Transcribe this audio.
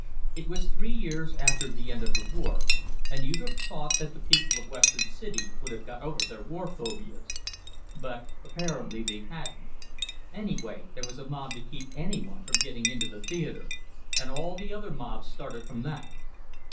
It was three years after the end of the war, and you'd have thought that the people of Western City would have got over their war phobias. But apparently they hadn't; anyway, there was a mob to keep anyone from getting into the theatre, and all the other mobs started from that.